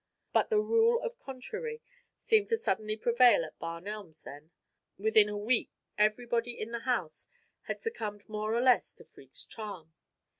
But the rule of contrary seemed to suddenly prevail at Barn Elms then. Within a week everybody in the house had succumbed more or less to Freke's charm.